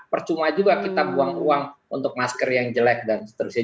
percuma juga kita buang uang untuk masker yang jelek dan seterusnya